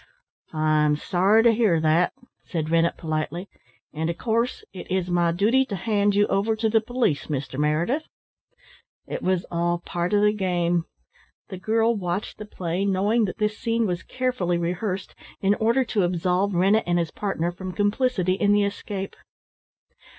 "I'm sorry to hear that," said Rennett politely. "And, of course, it is my duty to hand you over to the police, Mr. Meredith." It was all part of the game. The girl watched the play, knowing that this scene was carefully rehearsed, in order to absolve Rennett and his partner from complicity in the escape.